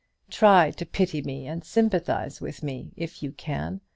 Try to pity me, and sympathize with me, if you can.